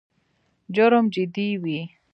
جرم جدي وي.